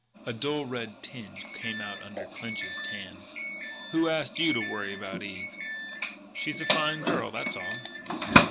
A dull red tinge came out under Clinch's tan: "Who asked you to worry about Eve?" "She's a fine girl: that's all."